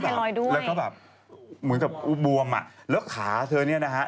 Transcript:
อันนี้หรืออันนี้คือรูปล่างสุดหรือ